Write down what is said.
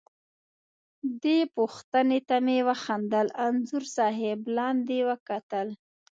دې پوښتنې ته مې وخندل، انځور صاحب لاندې وکتل.